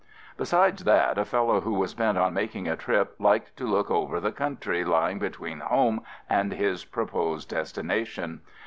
Besides that, a fellow who was bent on making a trip liked to look over the country lying between home and his proposed destination.